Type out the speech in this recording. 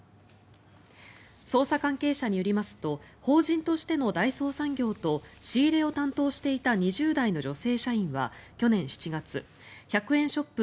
捜査関係者によりますと法人としての大創産業と仕入れを担当していた２０代の女性社員は去年７月、１００円ショップ